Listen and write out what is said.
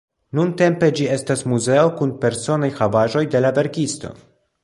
Nuntempe ĝi estas muzeo kun personaj havaĵoj de la verkisto.